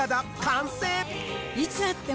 いつ会っても。